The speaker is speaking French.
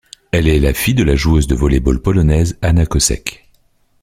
Elle est la fille de la joueuse de volley-ball polonaise Anna Kosek.